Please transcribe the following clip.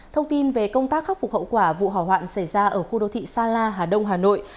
thông tin về công tác khắc phục hậu quả vụ hỏa hoạn xảy ra ở khu đô thị sa la hà đông hà nội